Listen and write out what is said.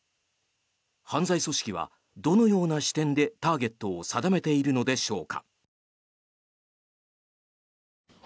犯罪組織はどのような視点でターゲットを定めているのでしょうか。